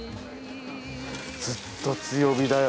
ずっと強火だよ。